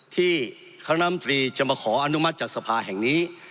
ที่คณะมตรีจะมาขออนุมัติจากสภาแห่งนี้